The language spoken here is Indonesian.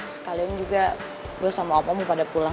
sekalian juga gue sama apa mau pada pulang